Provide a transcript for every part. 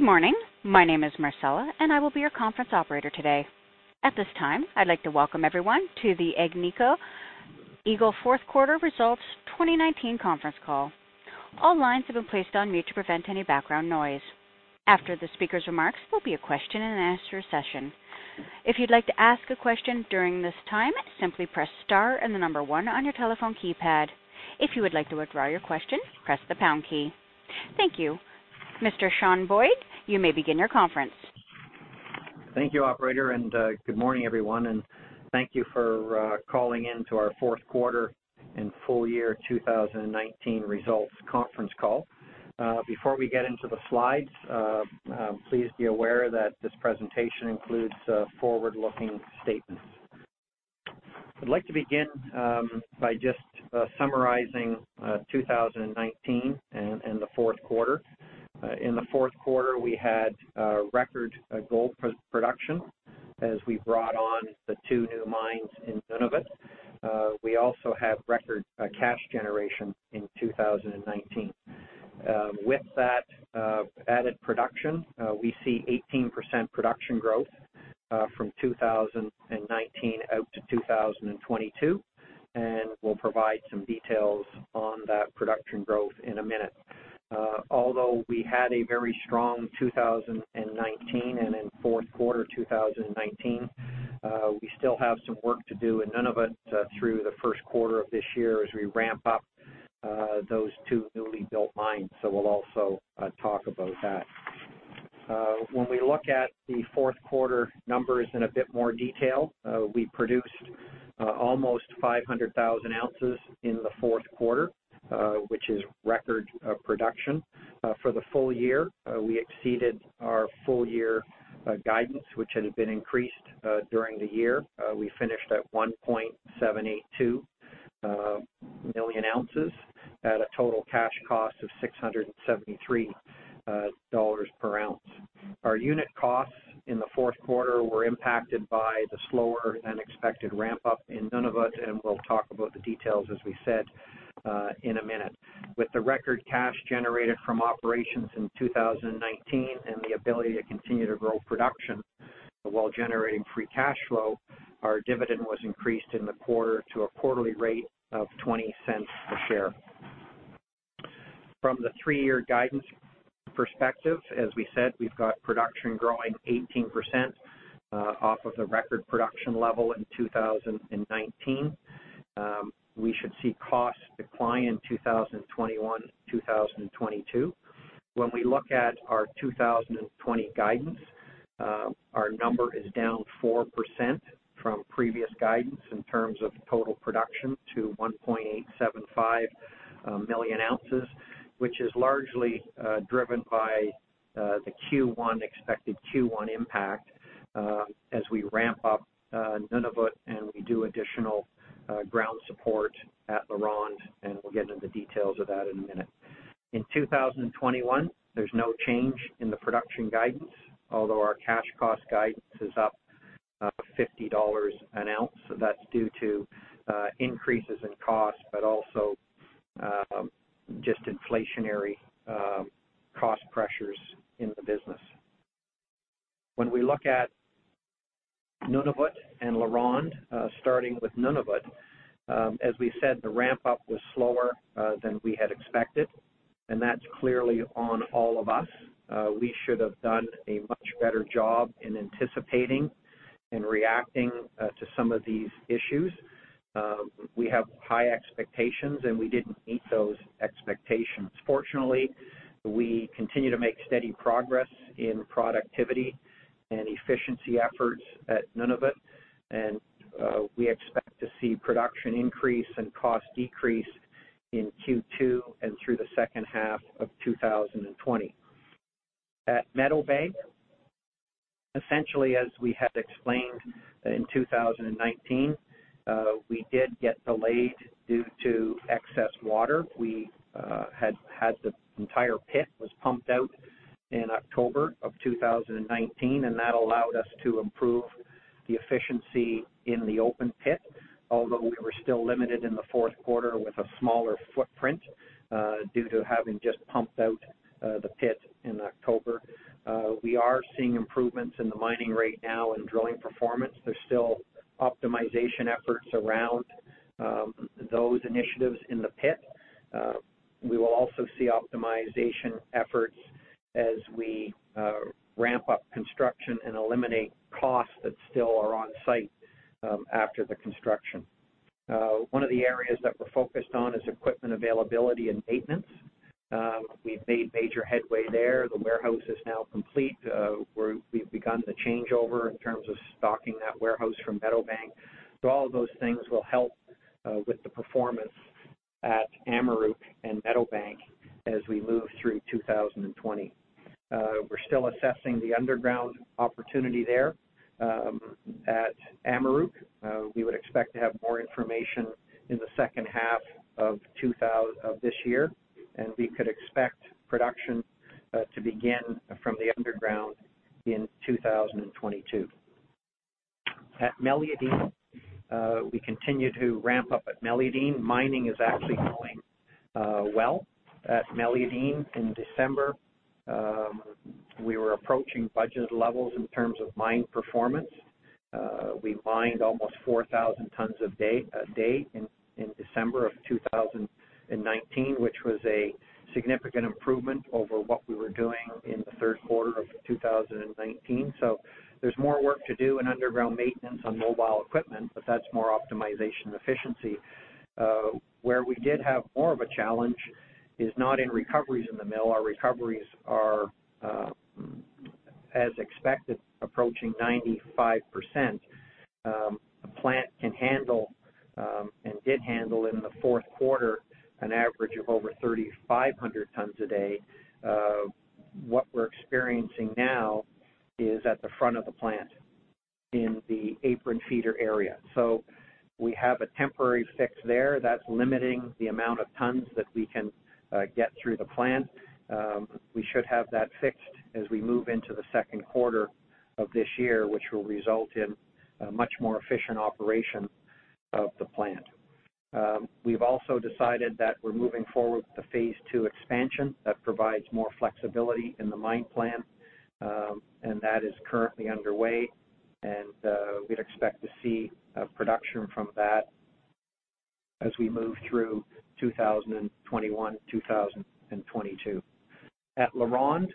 Good morning. My name is Marcella, and I will be your conference operator today. At this time, I'd like to welcome everyone to the Agnico Eagle Fourth Quarter Results 2019 Conference Call. All lines have been placed on mute to prevent any background noise. After the speaker's remarks, there will be a question and answer session. If you'd like to ask a question during this time, simply press star and the number one on your telephone keypad. If you would like to withdraw your question, press the pound key. Thank you. Mr. Sean Boyd, you may begin your conference. Thank you, operator. Good morning, everyone. Thank you for calling in to our fourth quarter and full year 2019 results conference call. Before we get into the slides, please be aware that this presentation includes forward-looking statements. I'd like to begin by just summarizing 2019 and the fourth quarter. In the fourth quarter, we had record gold production as we brought on the two new mines in Nunavut. We also have record cash generation in 2019. With that added production, we see 18% production growth from 2019 out to 2022, and we'll provide some details on that production growth in a minute. Although we had a very strong 2019 and in fourth quarter 2019, we still have some work to do in Nunavut through the first quarter of this year as we ramp up those two newly built mines. We'll also talk about that. When we look at the fourth quarter numbers in a bit more detail, we produced almost 500,000 ounces in the fourth quarter, which is record production. For the full year, we exceeded our full-year guidance, which had been increased during the year. We finished at 1.782 million ounces at a total cash cost of $673 per ounce. Our unit costs in the fourth quarter were impacted by the slower than expected ramp-up in Nunavut, and we'll talk about the details, as we said, in a minute. With the record cash generated from operations in 2019 and the ability to continue to grow production while generating free cash flow, our dividend was increased in the quarter to a quarterly rate of 0.20 a share. From the three-year guidance perspective, as we said, we've got production growing 18% off of the record production level in 2019. We should see costs decline in 2021, 2022. When we look at our 2020 guidance, our number is down 4% from previous guidance in terms of total production to 1.875 million ounces, which is largely driven by the expected Q1 impact as we ramp up Nunavut and we do additional ground support at LaRonde, and we'll get into the details of that in a minute. In 2021, there's no change in the production guidance, although our cash cost guidance is up $50 an ounce. That's due to increases in cost, but also just inflationary cost pressures in the business. When we look at Nunavut and LaRonde, starting with Nunavut, as we said, the ramp-up was slower than we had expected, and that's clearly on all of us. We should have done a much better job in anticipating and reacting to some of these issues. We have high expectations, and we didn't meet those expectations. Fortunately, we continue to make steady progress in productivity and efficiency efforts at Nunavut, and we expect to see production increase and cost decrease in Q2 and through the second half of 2020. At Meadowbank, essentially, as we had explained in 2019, we did get delayed due to excess water. We had the entire pit was pumped out in October of 2019, and that allowed us to improve the efficiency in the open pit, although we were still limited in the fourth quarter with a smaller footprint, due to having just pumped out the pit in October. We are seeing improvements in the mining rate now and drilling performance. There's still optimization efforts around those initiatives in the pit. We will also see optimization efforts as we ramp up construction and eliminate costs that still are on site after the construction. One of the areas that we're focused on is equipment availability and maintenance. We've made major headway there. The warehouse is now complete. We've begun the changeover in terms of stocking that warehouse from Meadowbank. All of those things will help with the performance at Amaruq and Meadowbank as we move through 2020. We're still assessing the underground opportunity there at Amaruq. We would expect to have more information in the second half of this year, and we could expect production to begin from the underground in 2022. At Meliadine, we continue to ramp up at Meliadine. Mining is actually going well at Meliadine. In December, we were approaching budget levels in terms of mine performance. We mined almost 4,000 tons a day in December of 2019, which was a significant improvement over what we were doing in the third quarter of 2019. There's more work to do in underground maintenance on mobile equipment, but that's more optimization efficiency. Where we did have more of a challenge is not in recoveries in the mill. Our recoveries are, as expected, approaching 95%. The plant can handle, and did handle in the fourth quarter, an average of over 3,500 tons a day. What we're experiencing now is at the front of the plant in the apron feeder area. We have a temporary fix there that's limiting the amount of tons that we can get through the plant. We should have that fixed as we move into the second quarter of this year, which will result in a much more efficient operation of the plant. We've also decided that we're moving forward with the phase two expansion. That provides more flexibility in the mine plan. That is currently underway, and we'd expect to see production from that as we move through 2021, 2022. At LaRonde,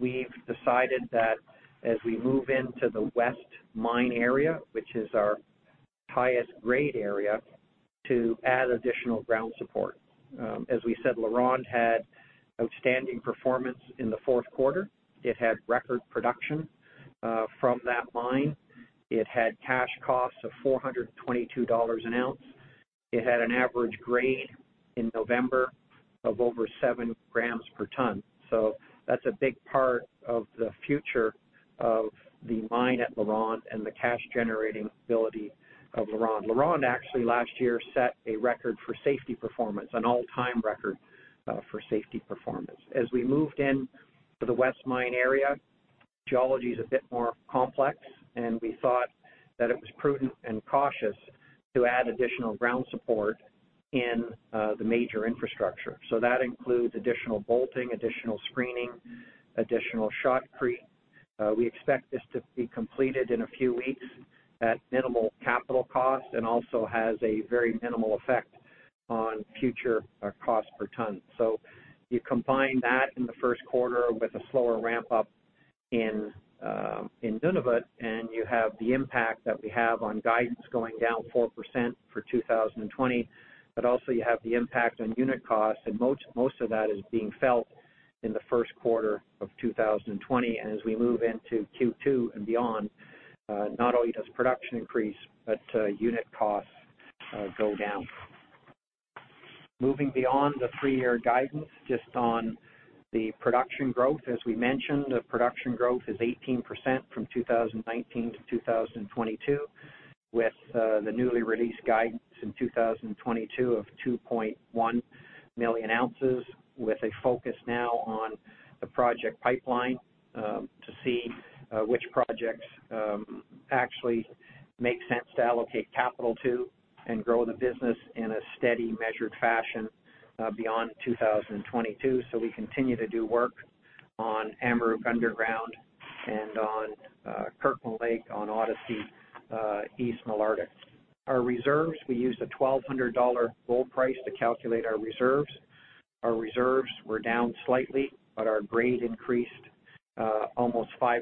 we've decided that as we move into the west mine area, which is our highest grade area, to add additional ground support. As we said, LaRonde had outstanding performance in the fourth quarter. It had record production from that mine. It had cash costs of $422 an ounce. It had an average grade in November of over seven grams per ton. That's a big part of the future of the mine at LaRonde and the cash generating ability of LaRonde. LaRonde actually last year set a record for safety performance, an all time record for safety performance. As we moved into the west mine area, geology is a bit more complex, and we thought that it was prudent and cautious to add additional ground support in the major infrastructure. That includes additional bolting, additional screening, additional shotcrete. We expect this to be completed in a few weeks at minimal capital cost and also has a very minimal effect on future cost per ton. You combine that in the first quarter with a slower ramp up in Nunavut, and you have the impact that we have on guidance going down 4% for 2020, but also you have the impact on unit costs, and most of that is being felt in the first quarter of 2020. As we move into Q2 and beyond, not only does production increase, but unit costs go down. Moving beyond the three-year guidance, just on the production growth, as we mentioned, the production growth is 18% from 2019 to 2022 with the newly released guidance in 2022 of 2.1 million ounces with a focus now on the project pipeline, to see which projects actually make sense to allocate capital to and grow the business in a steady measured fashion beyond 2022. We continue to do work on Amaruq underground and on Kirkland Lake on Odyssey East Malartic. Our reserves, we used a $1,200 gold price to calculate our reserves. Our reserves were down slightly, but our grade increased almost 5%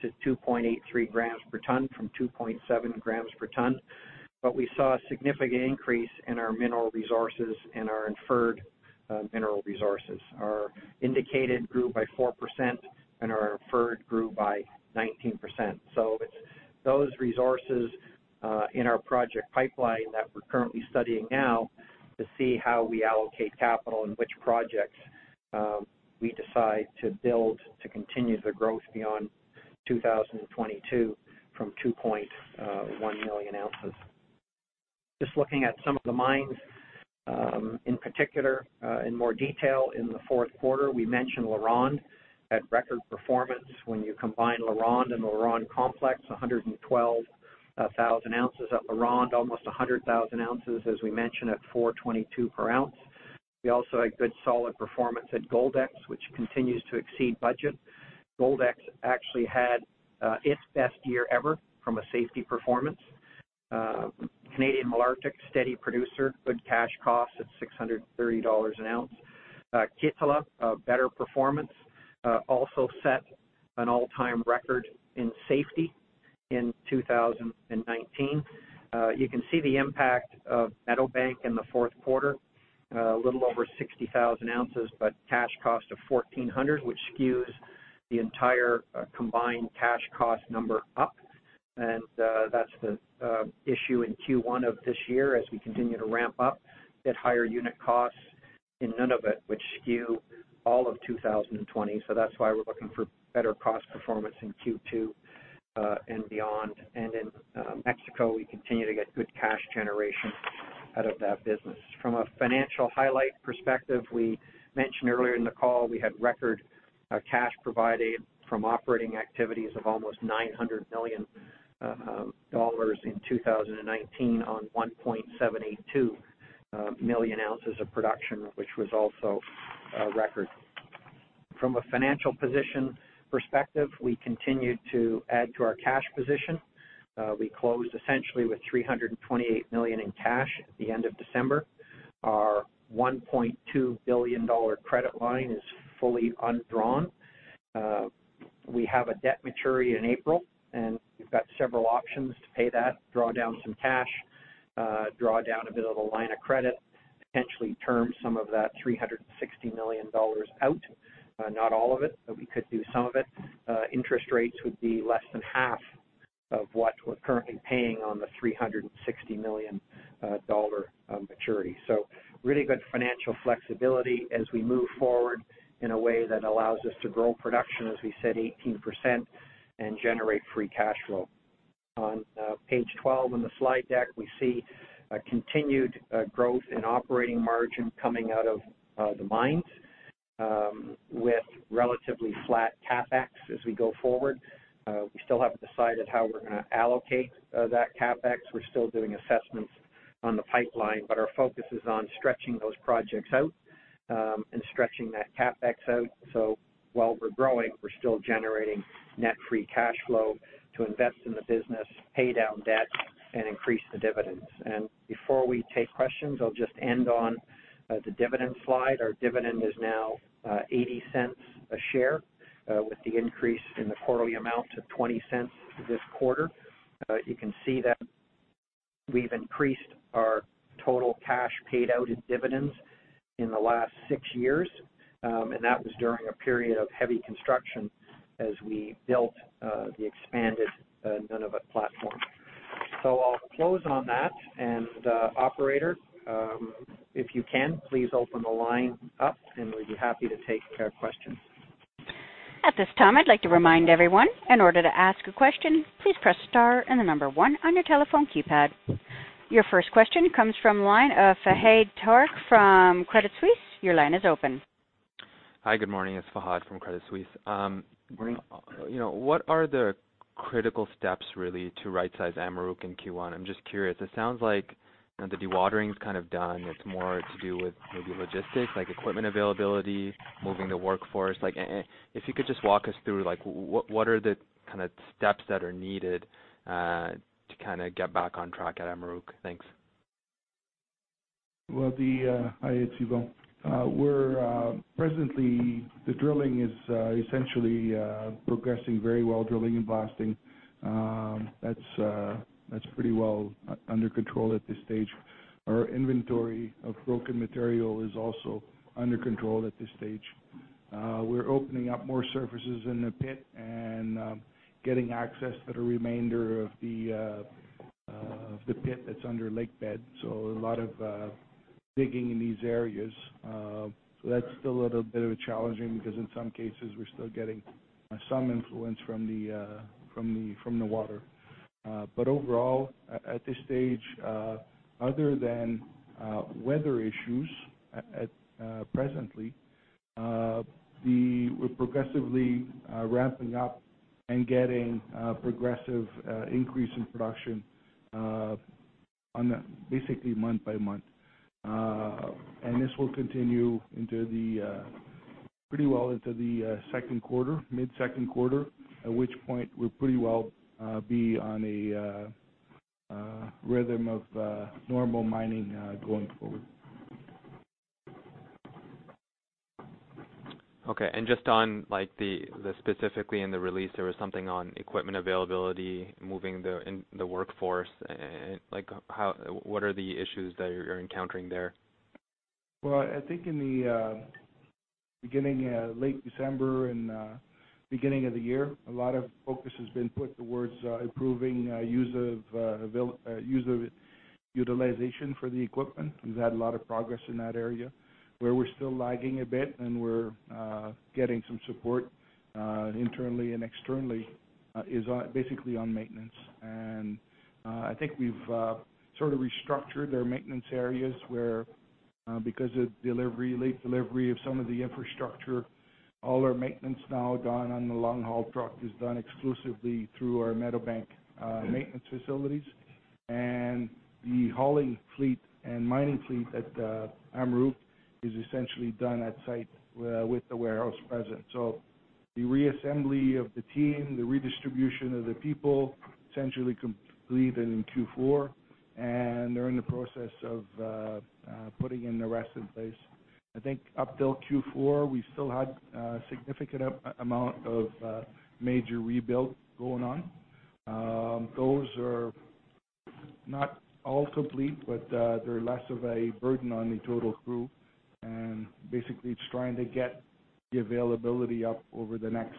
to 2.83 grams per ton from 2.7 grams per ton. We saw a significant increase in our mineral resources and our inferred mineral resources. Our indicated grew by 4%, and our inferred grew by 19%. It's those resources in our project pipeline that we're currently studying now to see how we allocate capital and which projects we decide to build to continue the growth beyond 2022 from 2.1 million ounces. Just looking at some of the mines, in particular, in more detail in the fourth quarter, we mentioned LaRonde had record performance. When you combine LaRonde and the LaRonde complex, 112,000 ounces at LaRonde, almost 100,000 ounces, as we mentioned, at $422 per ounce. We also had good solid performance at Goldex, which continues to exceed budget. Goldex actually had its best year ever from a safety performance. Canadian Malartic, steady producer, good cash cost at $630 an ounce. Kittila, a better performance, also set an all time record in safety in 2019. You can see the impact of Meadowbank in the fourth quarter, a little over 60,000 ounces, but cash cost of 1,400, which skews the entire combined cash cost number up. That's the issue in Q1 of this year as we continue to ramp up at higher unit costs in Nunavut, which skew all of 2020. That's why we're looking for better cost performance in Q2 and beyond. In Mexico, we continue to get good cash generation out of that business. From a financial highlight perspective, we mentioned earlier in the call, we had record cash provided from operating activities of almost 900 million dollars in 2019 on 1.782 million ounces of production, which was also a record. From a financial position perspective, we continued to add to our cash position. We closed essentially with 328 million in cash at the end of December. Our 1.2 billion dollar credit line is fully undrawn. We have a debt maturity in April, and we've got several options to pay that, draw down some cash, draw down a bit of a line of credit, potentially term some of that 360 million dollars out. Not all of it, but we could do some of it. Interest rates would be less than half of what we're currently paying on the 360 million dollar maturity. Really good financial flexibility as we move forward in a way that allows us to grow production, as we said, 18%, and generate free cash flow. On page 12 in the slide deck, we see a continued growth in operating margin coming out of the mines, with relatively flat CapEx as we go forward. We still haven't decided how we're going to allocate that CapEx. We're still doing assessments on the pipeline, our focus is on stretching those projects out, and stretching that CapEx out. While we're growing, we're still generating net free cash flow to invest in the business, pay down debt, and increase the dividends. Before we take questions, I'll just end on the dividend slide. Our dividend is now 0.80 a share, with the increase in the quarterly amount to 0.20 this quarter. You can see that we've increased our total cash paid out in dividends in the last six years, and that was during a period of heavy construction as we built the expanded Nunavut platform. I'll close on that, and operator, if you can, please open the line up and we'd be happy to take questions. At this time, I'd like to remind everyone, in order to ask a question, please press star and the number one on your telephone keypad. Your first question comes from line of Fahad Tariq from Credit Suisse. Your line is open. Hi, good morning. It's Fahad from Credit Suisse. Morning. What are the critical steps really to right size Amaruq in Q1? I'm just curious. It sounds like the dewatering's kind of done. It's more to do with maybe logistics, like equipment availability, moving the workforce. If you could just walk us through, what are the kind of steps that are needed, to kind of get back on track at Amaruq? Thanks. Hi, it's Yvon. Presently, the drilling is essentially progressing very well, drilling and blasting. That's pretty well under control at this stage. Our inventory of broken material is also under control at this stage. We're opening up more surfaces in the pit and getting access to the remainder of the pit that's under lake bed. A lot of digging in these areas. That's still a little bit challenging because in some cases, we're still getting some influence from the water. Overall, at this stage, other than weather issues presently, we're progressively ramping up and getting a progressive increase in production basically month by month. This will continue pretty well into the mid-second quarter, at which point we'll pretty well be on a rhythm of normal mining going forward. Okay, just on, specifically in the release, there was something on equipment availability, moving the workforce. What are the issues that you're encountering there? Well, I think in the beginning, late December and beginning of the year, a lot of focus has been put towards improving use of utilization for the equipment. We've had a lot of progress in that area. Where we're still lagging a bit and we're getting some support internally and externally is basically on maintenance. I think we've sort of restructured our maintenance areas where, because of late delivery of some of the infrastructure, all our maintenance now done on the long-haul truck is done exclusively through our Meadowbank maintenance facilities. The hauling fleet and mining fleet at Amaruq is essentially done at site with the warehouse present. The reassembly of the team, the redistribution of the people essentially completed in Q4, and they're in the process of putting in the rest in place. I think up till Q4, we still had a significant amount of major rebuild going on. Those are not all complete, but they're less of a burden on the total crew. Basically it's trying to get the availability up over the next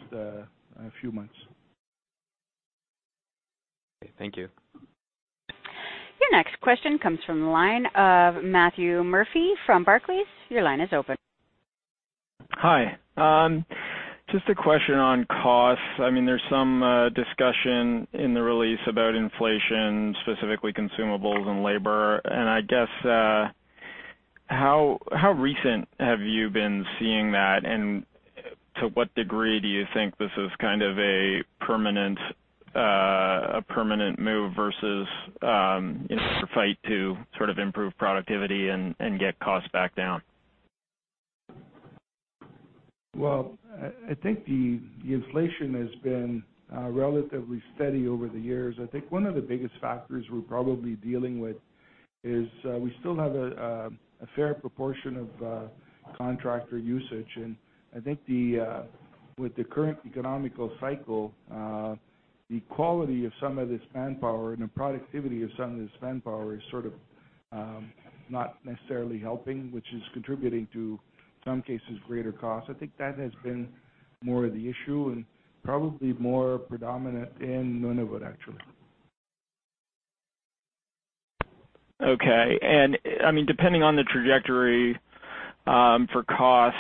few months. Okay, thank you. Your next question comes from the line of Matthew Murphy from Barclays. Your line is open. Hi. Just a question on costs. There's some discussion in the release about inflation, specifically consumables and labor. I guess, how recent have you been seeing that, and to what degree do you think this is a permanent move versus your fight to improve productivity and get costs back down? Well, I think the inflation has been relatively steady over the years. I think one of the biggest factors we're probably dealing with is we still have a fair proportion of contractor usage. I think with the current economic cycle, the quality of some of this manpower and the productivity of some of this manpower is not necessarily helping, which is contributing to, some cases, greater cost. I think that has been more of the issue and probably more predominant in Nunavut, actually. Okay. Depending on the trajectory for costs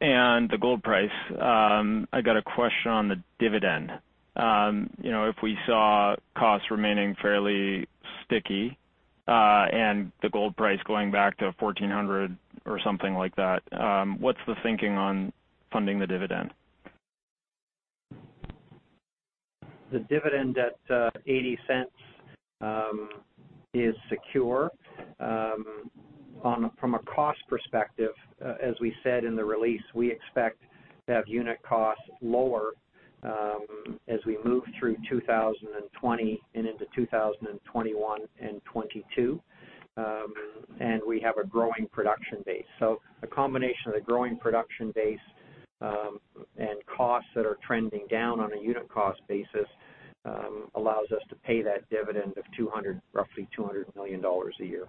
and the gold price, I got a question on the dividend. If we saw costs remaining fairly sticky, and the gold price going back to $1,400 or something like that, what's the thinking on funding the dividend? The dividend at 0.80 is secure. From a cost perspective, as we said in the release, we expect to have unit costs lower as we move through 2020 and into 2021 and 2022. We have a growing production base. A combination of the growing production base and costs that are trending down on a unit cost basis allows us to pay that dividend of roughly 200 million dollars a year.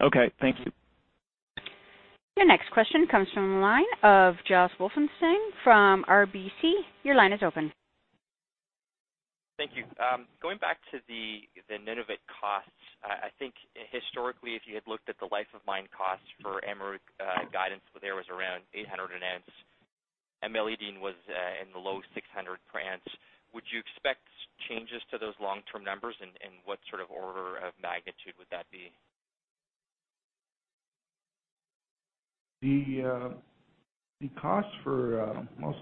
Okay. Thank you. Your next question comes from the line of Josh Wolfson from RBC. Your line is open. Thank you. Going back to the Nunavut costs, I think historically, if you had looked at the life of mine costs for Amaruq guidance there was around $800 an ounce, and Meliadine was in the low $600 per ounce. Would you expect changes to those long-term numbers, and what sort of order of magnitude would that be? I'll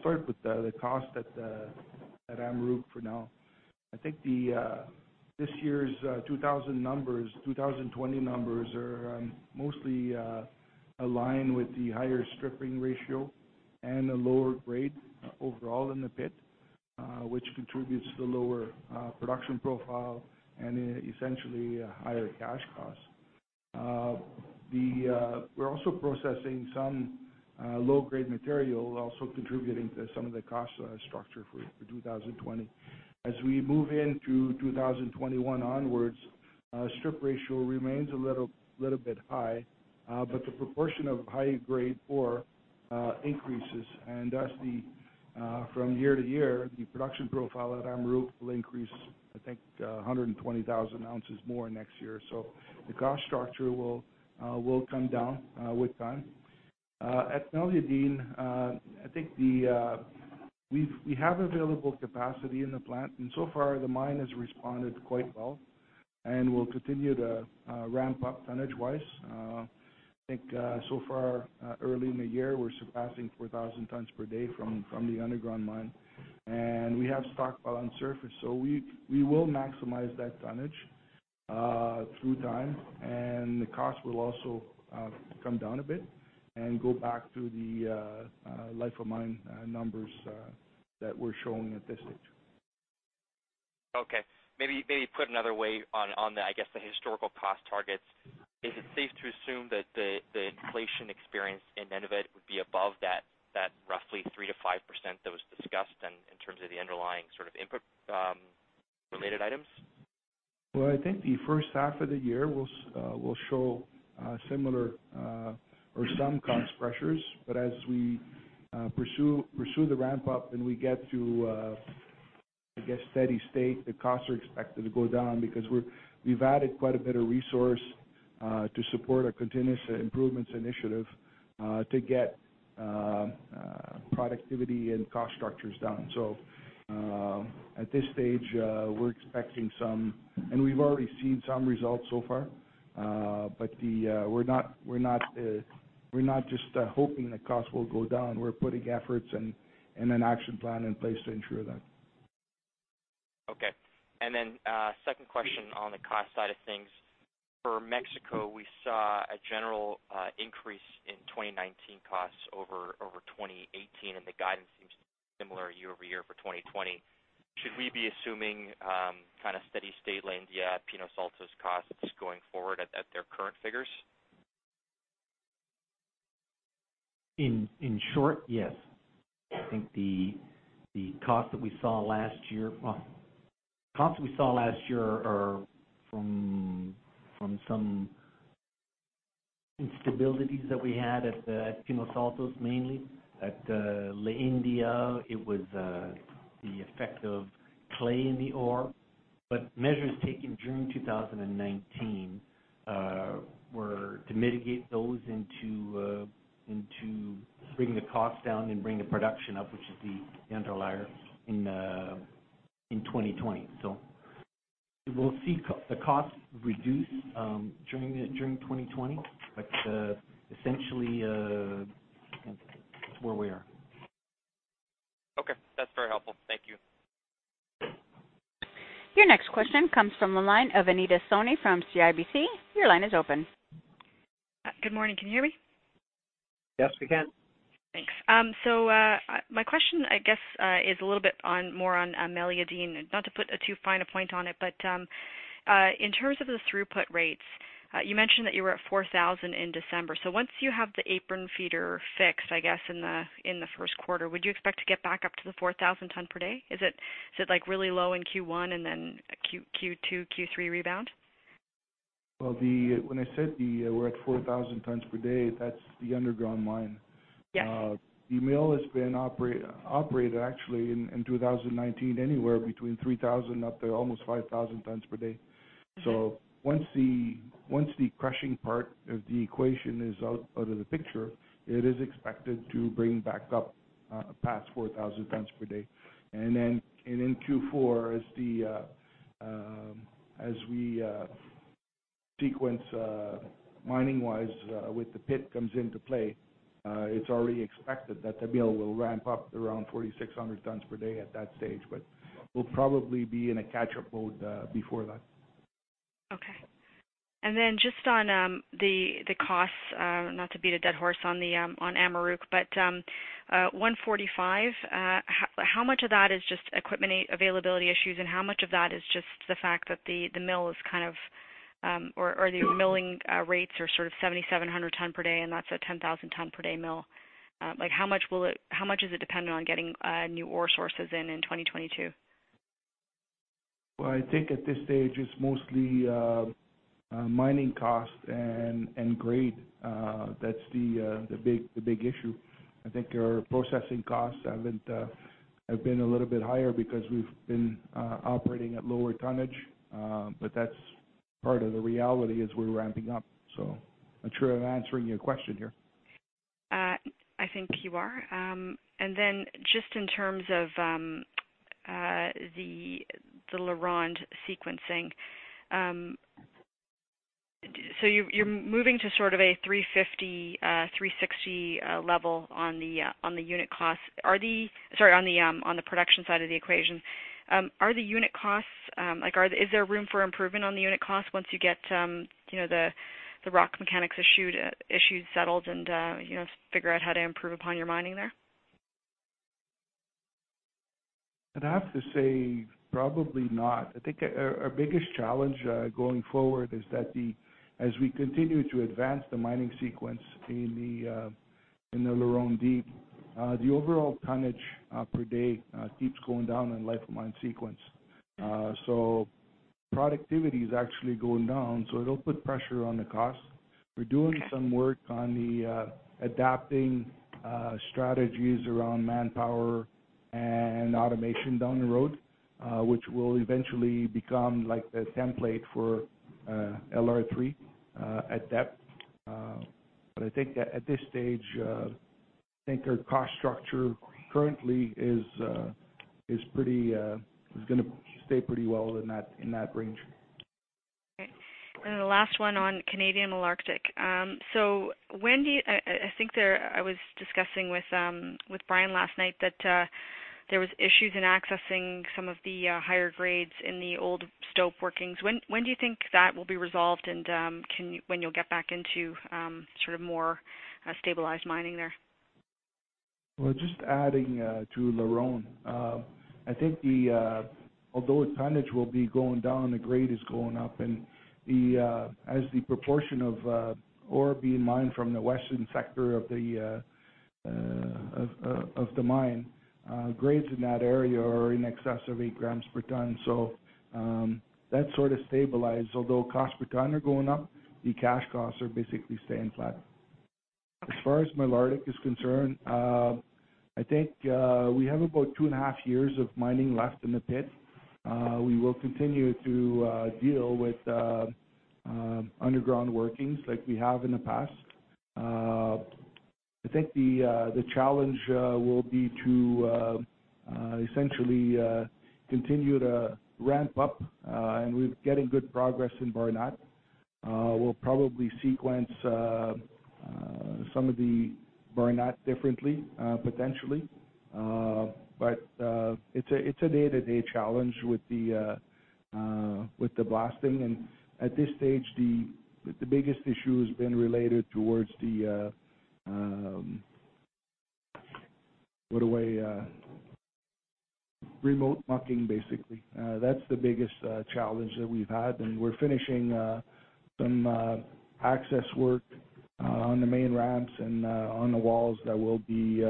start with the cost at Amaruq for now. I think this year's 2020 numbers are mostly aligned with the higher strip ratio and a lower grade overall in the pit, which contributes to the lower production profile and essentially a higher cash cost. We're also processing some low-grade material, also contributing to some of the cost structure for 2020. As we move into 2021 onwards, strip ratio remains a little bit high, but the proportion of high-grade ore increases, and thus from year to year, the production profile at Amaruq will increase, I think, 120,000 ounces more next year. The cost structure will come down with time. At Meliadine, I think we have available capacity in the plant, and so far, the mine has responded quite well and will continue to ramp up tonnage-wise. I think so far, early in the year, we're surpassing 4,000 tons per day from the underground mine. We have stockpile on surface, so we will maximize that tonnage through time, and the cost will also come down a bit and go back to the life of mine numbers that we're showing at this stage. Okay. Maybe put another way on, I guess, the historical cost targets, is it safe to assume that the inflation experience in Nunavut would be above that roughly 3%-5% that was discussed and in terms of the underlying input related items? I think the first half of the year will show similar or some cost pressures, but as we pursue the ramp up and we get to, I guess, steady state, the costs are expected to go down because we've added quite a bit of resource to support our continuous improvements initiative, to get productivity and cost structures down. At this stage, we're expecting some, and we've already seen some results so far. We're not just hoping the cost will go down. We're putting efforts and an action plan in place to ensure that. Okay. Second question on the cost side of things. For Mexico, we saw a general increase in 2019 costs over 2018, and the guidance seems similar year-over-year for 2020. Should we be assuming kind of steady state La India, Pinos Altos costs going forward at their current figures? In short, yes. I think the costs we saw last year are from some instabilities that we had at Pinos Altos, mainly. At La India, it was the effect of clay in the ore. Measures taken during 2019 were to mitigate those and to bring the cost down and bring the production up, which is the underlier in 2020. We will see the cost reduce during 2020, but essentially, that's where we are. Okay. That's very helpful. Thank you. Your next question comes from the line of Anita Soni from CIBC. Your line is open. Good morning. Can you hear me? Yes, we can. Thanks. My question, I guess, is a little bit more on Meliadine. Not to put too fine a point on it, but in terms of the throughput rates, you mentioned that you were at 4,000 in December. Once you have the apron feeder fixed, I guess in the first quarter, would you expect to get back up to the 4,000 tons per day? Is it like really low in Q1 and then Q2, Q3 rebound? Well, when I said we're at 4,000 tons per day, that's the underground mine. Yes. The mill has been operated, actually, in 2019, anywhere between 3,000 up to almost 5,000 tons per day. Okay. Once the crushing part of the equation is out of the picture, it is expected to bring back up past 4,000 tons per day. In Q4, as we sequence mining-wise with the pit comes into play, it's already expected that the mill will ramp up around 4,600 tons per day at that stage, but we'll probably be in a catch-up mode before that. Okay. Just on the costs, not to beat a dead horse on Amaruq, but $145, how much of that is just equipment availability issues and how much of that is just the fact that the mill is kind of, or the milling rates are sort of 7,700 tons per day, and that's a 10,000 tons per day mill? How much is it dependent on getting new ore sources in 2022? Well, I think at this stage it's mostly mining cost and grade. That's the big issue. I think our processing costs have been a little bit higher because we've been operating at lower tonnage. That's part of the reality as we're ramping up. I'm not sure I'm answering your question here. I think you are. Just in terms of the LaRonde sequencing, you're moving to sort of a 350, 360 level on the unit cost. Sorry, on the production side of the equation. Are the unit costs, is there room for improvement on the unit cost once you get the rock mechanics issues settled and figure out how to improve upon your mining there? I'd have to say probably not. I think our biggest challenge going forward is that as we continue to advance the mining sequence in the LaRonde deep, the overall tonnage per day keeps going down in life of mine sequence. Productivity is actually going down, so it'll put pressure on the cost. We're doing some work on the adapting strategies around manpower and automation down the road, which will eventually become like the template for LR3 at depth. I think at this stage, I think our cost structure currently is going to stay pretty well in that range. Okay. The last one on Canadian Malartic. I think I was discussing with Brian last night that there were issues in accessing some of the higher grades in the old stope workings. When do you think that will be resolved, and when you'll get back into more stabilized mining there? Just adding to LaRonde, I think although the tonnage will be going down, the grade is going up, and as the proportion of ore being mined from the western sector of the mine, grades in that area are in excess of eight grams per ton. That sort of stabilized. Although costs per ton are going up, the cash costs are basically staying flat. As far as Malartic is concerned, I think we have about 2.5 years of mining left in the pit. We will continue to deal with underground workings like we have in the past. I think the challenge will be to essentially continue to ramp up, and we're getting good progress in Barnat. We'll probably sequence some of the Barnat differently, potentially. It's a day-to-day challenge with the blasting, and at this stage, the biggest issue has been related towards the remote mucking, basically. That's the biggest challenge that we've had, and we're finishing some access work on the main ramps and on the walls that will be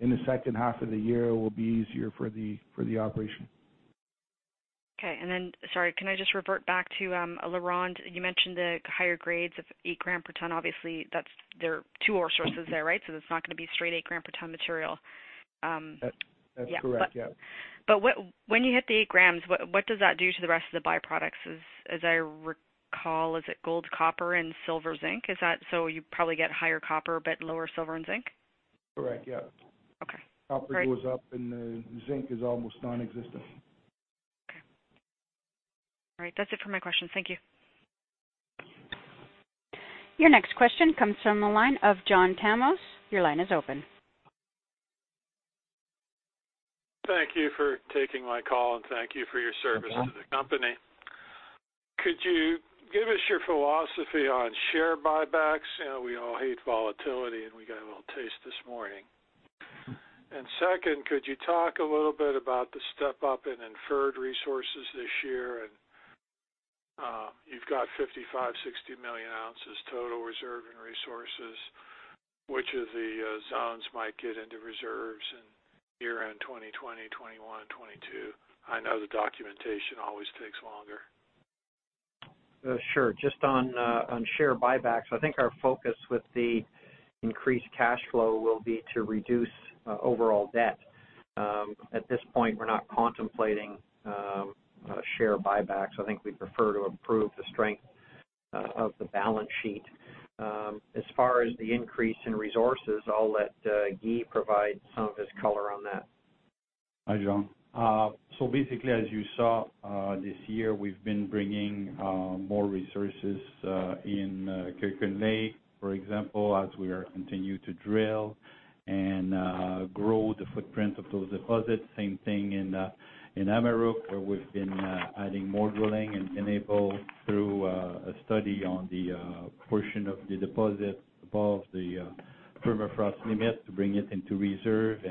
in the second half of the year, will be easier for the operation. Okay. Sorry, can I just revert back to LaRonde? You mentioned the higher grades of eight gram per ton. Obviously, there are two ore sources there, right? It's not going to be straight eight gram per ton material. That's correct. Yeah. When you hit the eight grams, what does that do to the rest of the byproducts? As I recall, is it gold, copper, and silver, zinc? You probably get higher copper but lower silver and zinc? Correct. Yeah. Okay. Great. Copper goes up, and the zinc is almost nonexistent. Okay. All right. That's it for my questions. Thank you. Your next question comes from the line of John Tumazos. Your line is open. Thank you for taking my call and thank you for your service to the company. Could you give us your philosophy on share buybacks? We all hate volatility, and we got a little taste this morning. Second, could you talk a little bit about the step up in inferred resources this year? You've got 55, 60 million ounces total reserve and resources, which of the zones might get into reserves in year-end 2020, 2021, and 2022? I know the documentation always takes longer. Sure. Just on share buybacks, I think our focus with the increased cash flow will be to reduce overall debt. At this point, we're not contemplating share buybacks. I think we prefer to improve the strength of the balance sheet. As far as the increase in resources, I'll let Guy provide some of his color on that. Hi, John. Basically, as you saw this year, we've been bringing more resources in Kirouac Lake, for example, as we continue to drill and grow the footprint of those deposits. Same thing in Amaruq, where we've been adding more drilling and enable through a study on the portion of the deposit above the permafrost limit to bring it into reserve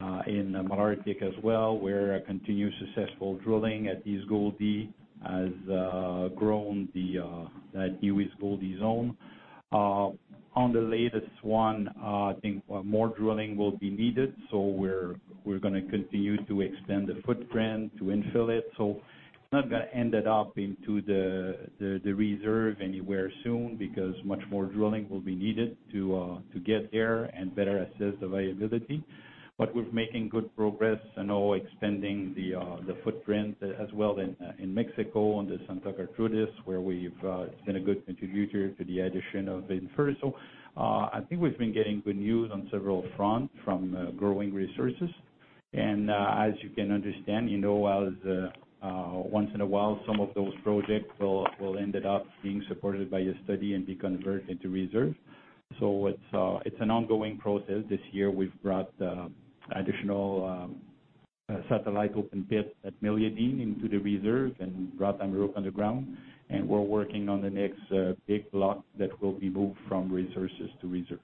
and in Malartic as well, where a continued successful drilling at East Gouldie has grown the East Gouldie zone. On the latest one, I think more drilling will be needed, so we're going to continue to extend the footprint to infill it. Not going to end it up into the reserve anywhere soon because much more drilling will be needed to get there and better assess the viability. We're making good progress and are expanding the footprint as well in Mexico on the Santa Gertrudis, where we've seen a good contributor to the addition of inferred. I think we've been getting good news on several fronts from growing resources. As you can understand, once in a while, some of those projects will ended up being supported by a study and be converted to reserve. It's an ongoing process. This year, we've brought additional satellite open pit at Meliadine into the reserve and brought Amaruq underground, and we're working on the next big block that will be moved from resources to reserve.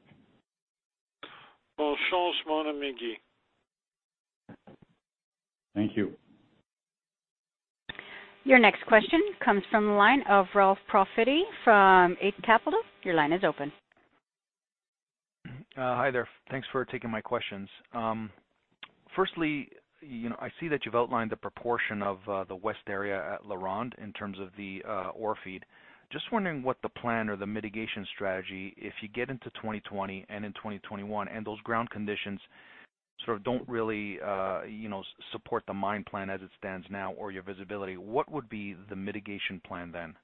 Thank you. Your next question comes from the line of Ralph Profiti from Eight Capital. Your line is open. Hi there. Thanks for taking my questions. Firstly, I see that you've outlined the proportion of the west area at LaRonde in terms of the ore feed. Just wondering what the plan or the mitigation strategy, if you get into 2020 and in 2021 and those ground conditions sort of don't really support the mine plan as it stands now or your visibility, what would be the mitigation plan then?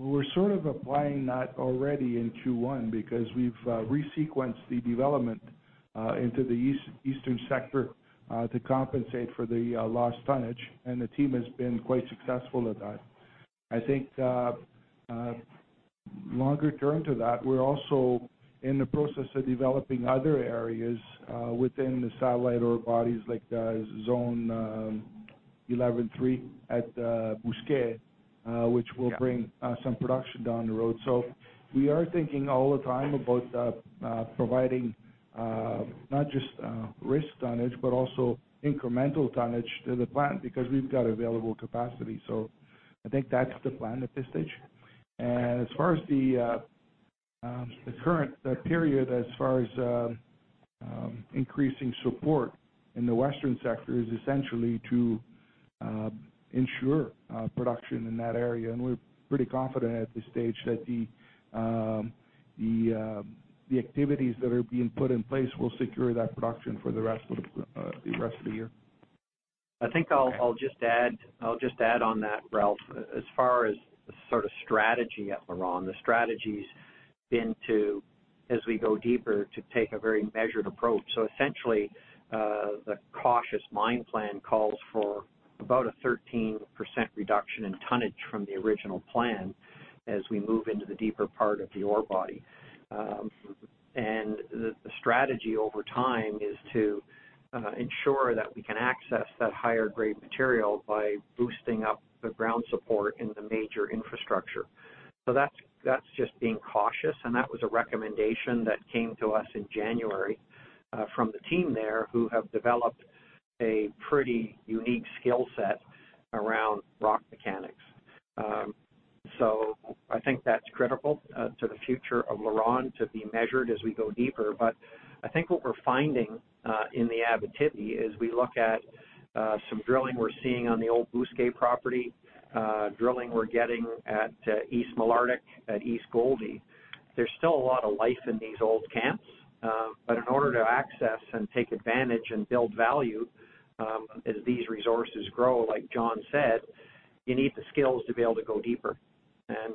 We're sort of applying that already in Q1 because we've resequenced the development into the eastern sector to compensate for the lost tonnage, and the team has been quite successful at that. I think longer term to that, we're also in the process of developing other areas within the satellite ore bodies like Zone 113 at Bousquet which will bring some production down the road. We are thinking all the time about providing not just risk tonnage, but also incremental tonnage to the plant because we've got available capacity. I think that's the plan at this stage. As far as the current period, as far as increasing support in the western sector is essentially to ensure production in that area, and we're pretty confident at this stage that the activities that are being put in place will secure that production for the rest of the year. I think I'll just add on that, Ralph. As far as the sort of strategy at LaRonde, the strategy's been to, as we go deeper, to take a very measured approach. Essentially, the cautious mine plan calls for about a 13% reduction in tonnage from the original plan as we move into the deeper part of the ore body. The strategy over time is to ensure that we can access that higher grade material by boosting up the ground support in the major infrastructure. That's just being cautious, and that was a recommendation that came to us in January from the team there who have developed a pretty unique skill set around rock mechanics. I think that's critical to the future of LaRonde to be measured as we go deeper. I think what we're finding in the Abitibi is we look at some drilling we're seeing on the old Bousquet property, drilling we're getting at East Malartic, at East Gouldie. There's still a lot of life in these old camps. In order to access and take advantage and build value, as these resources grow, like John said, you need the skills to be able to go deeper.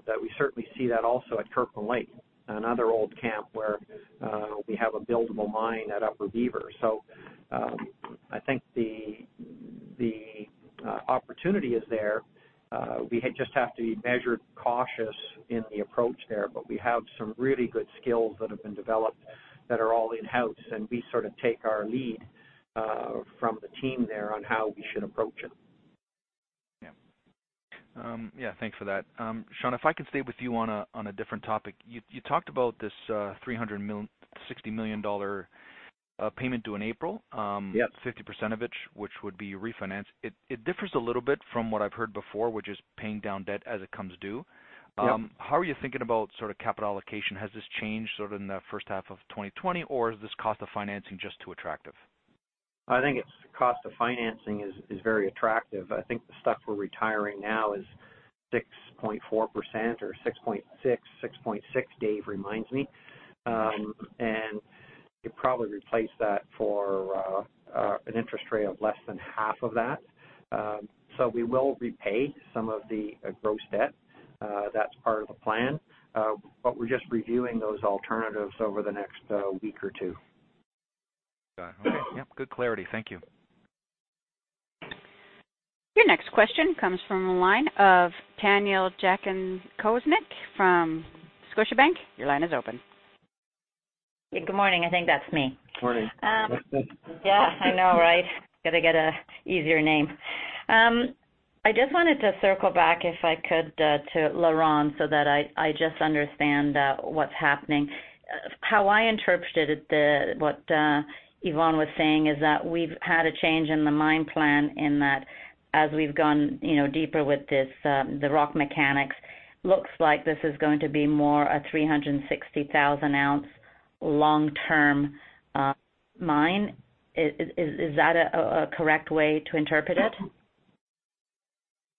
That we certainly see that also at Kirkland Lake, another old camp where we have a buildable mine at Upper Beaver. I think the opportunity is there. We just have to be measured, cautious in the approach there. We have some really good skills that have been developed that are all in-house, and we sort of take our lead from the team there on how we should approach it. Yeah. Yeah, thanks for that. Sean, if I could stay with you on a different topic. You talked about this 360 million payment due in April. Yep. 50% of it, which would be refinanced. It differs a little bit from what I've heard before, which is paying down debt as it comes due. Yep. How are you thinking about capital allocation? Has this changed in the first half of 2020, or is this cost of financing just too attractive? I think it's the cost of financing is very attractive. I think the stuff we're retiring now is 6.4% or 6.6%. 6.6, Dave reminds me. You probably replace that for an interest rate of less than half of that. We will repay some of the gross debt. That's part of the plan. We're just reviewing those alternatives over the next week or two. Got it. Okay. Yep, good clarity. Thank you. Your next question comes from the line of Tanya Jakusconek from Scotiabank. Your line is open. Good morning. I think that's me. Morning. Yeah, I know, right? Got to get an easier name. I just wanted to circle back, if I could, to LaRonde so that I just understand what's happening. How I interpreted it, what Yvon was saying, is that we've had a change in the mine plan in that as we've gone deeper with this, the rock mechanics looks like this is going to be more a 360,000-ounce long-term mine. Is that a correct way to interpret it?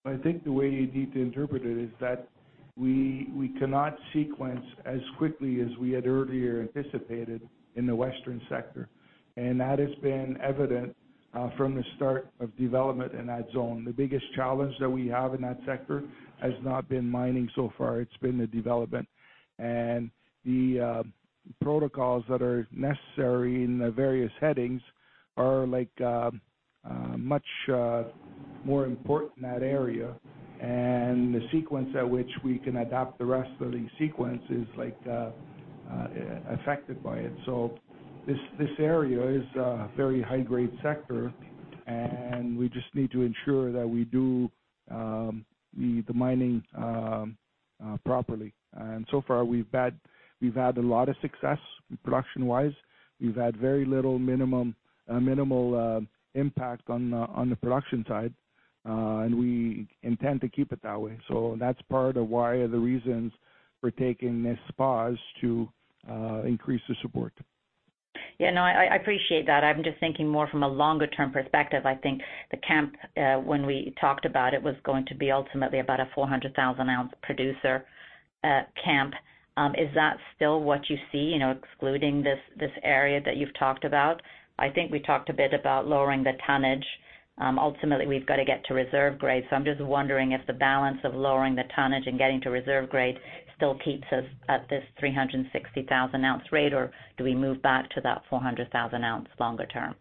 I think the way you need to interpret it is that we cannot sequence as quickly as we had earlier anticipated in the western sector, and that has been evident from the start of development in that zone. The biggest challenge that we have in that sector has not been mining so far, it's been the development. The protocols that are necessary in the various headings are much more important in that area, and the sequence at which we can adopt the rest of the sequence is affected by it. This area is a very high-grade sector, and we just need to ensure that we do the mining properly. So far, we've had a lot of success production-wise. We've had very minimal impact on the production side, and we intend to keep it that way. That's part of why the reasons for taking this pause to increase the support. Yeah, no, I appreciate that. I am just thinking more from a longer-term perspective. I think the camp, when we talked about it, was going to be ultimately about a 400,000-ounce producer camp. Is that still what you see excluding this area that you've talked about? I think we talked a bit about lowering the tonnage. Ultimately, we've got to get to reserve grade. I am just wondering if the balance of lowering the tonnage and getting to reserve grade still keeps us at this 360,000-ounce rate, or do we move back to that 400,000 ounce longer term?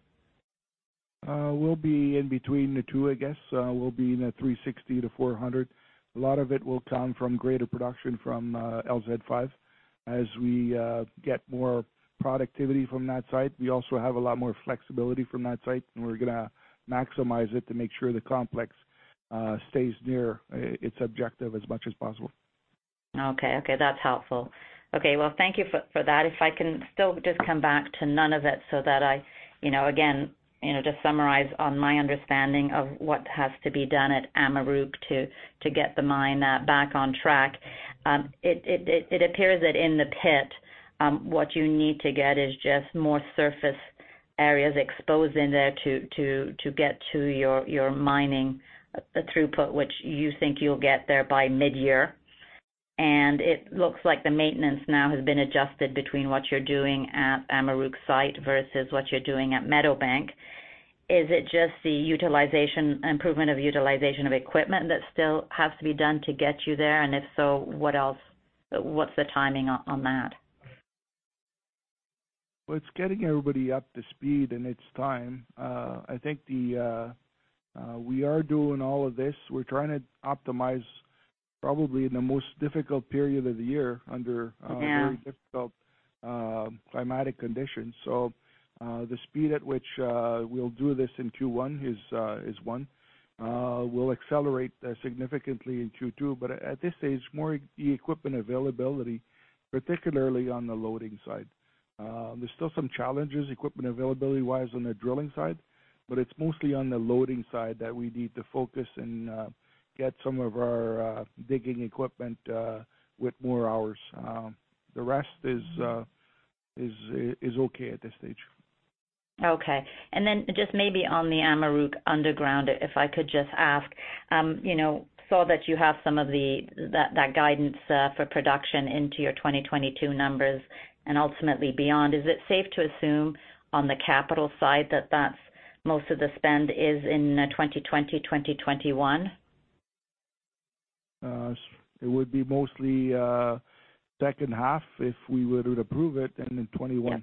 We'll be in between the two, I guess. We'll be in a 360 to 400. A lot of it will come from greater production from LZ 5 as we get more productivity from that site. We also have a lot more flexibility from that site, and we're going to maximize it to make sure the complex stays near its objective as much as possible. That's helpful. Thank you for that. If I can still just come back to Nunavut so that I, again, just summarize on my understanding of what has to be done at Amaruq to get the mine back on track. It appears that in the pit, what you need to get is just more surface areas exposed in there to get to your mining throughput, which you think you'll get there by mid-year. It looks like the maintenance now has been adjusted between what you're doing at Amaruq site versus what you're doing at Meadowbank. Is it just the improvement of utilization of equipment that still has to be done to get you there? If so, what's the timing on that? Well, it's getting everybody up to speed, and it's time. I think we are doing all of this. We're trying to optimize probably in the most difficult period of the year. Yeah. Very difficult climatic conditions. The speed at which we'll do this in Q1 is one. We'll accelerate significantly in Q2, but at this stage, more the equipment availability, particularly on the loading side. There's still some challenges equipment availability-wise on the drilling side, but it's mostly on the loading side that we need to focus and get some of our digging equipment with more hours. The rest is okay at this stage. Okay. Just maybe on the Amaruq underground, if I could just ask, saw that you have some of that guidance for production into your 2022 numbers and ultimately beyond. Is it safe to assume on the capital side that that's most of the spend is in 2020, 2021? It would be mostly second half if we were to approve it and in 2021. Yep.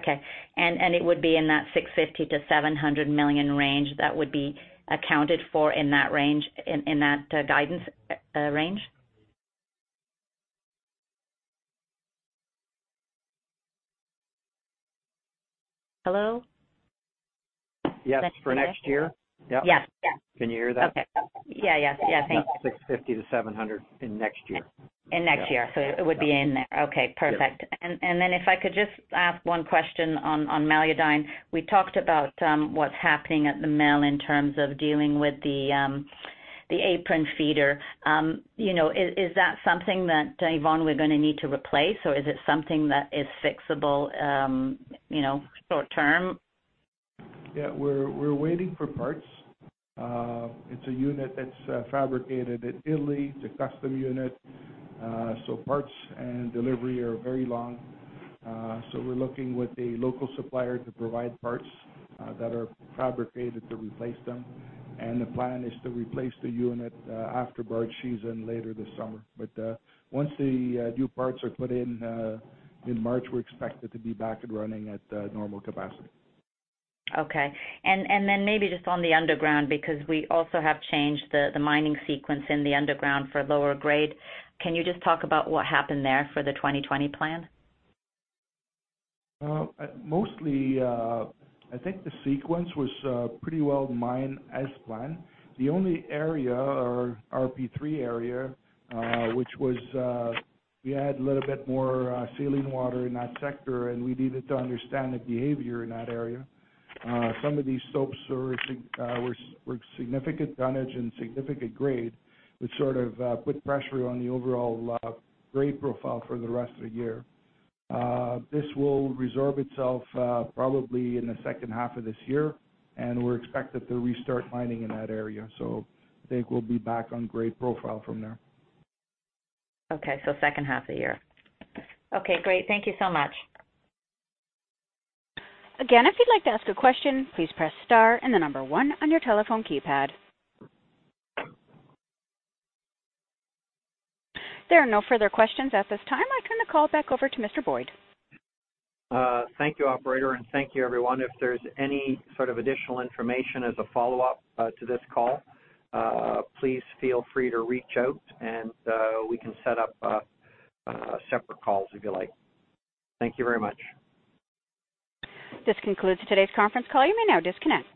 Okay. It would be in that 650 million-700 million range that would be accounted for in that guidance range? Hello? Yes, for next year? Yep. Yes. Can you hear that? Okay. Yeah. Thank you. 650-700 in next year. In next year. It would be in there. Okay, perfect. Yeah. If I could just ask one question on Meliadine. We talked about what's happening at the mill in terms of dealing with the apron feeder. Is that something that, Yvon, we're going to need to replace or is it something that is fixable short term? Yeah, we're waiting for parts. It's a unit that's fabricated at Italy. It's a custom unit, parts and delivery are very long. We're looking with a local supplier to provide parts that are fabricated to replace them, and the plan is to replace the unit after barge season later this summer. Once the new parts are put in March, we're expected to be back and running at normal capacity. Okay. Maybe just on the underground, because we also have changed the mining sequence in the underground for lower grade. Can you just talk about what happened there for the 2020 plan? Mostly, I think the sequence was pretty well mined as planned. The only area, our P3 area, we had a little bit more ceiling water in that sector, and we needed to understand the behavior in that area. Some of these stops were significant tonnage and significant grade, which sort of put pressure on the overall grade profile for the rest of the year. This will resorb itself probably in the second half of this year, and we're expected to restart mining in that area. I think we'll be back on grade profile from there. Okay. Second half of the year. Okay, great. Thank you so much. Again, if you'd like to ask a question, please press star and the number 1 on your telephone keypad. There are no further questions at this time. I turn the call back over to Mr. Boyd. Thank you, operator, and thank you, everyone. If there's any sort of additional information as a follow-up to this call, please feel free to reach out and we can set up separate calls if you like. Thank you very much. This concludes today's conference call. You may now disconnect.